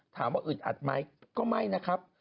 ถามว่าอึดอัดไหมก็ไม่นะครับ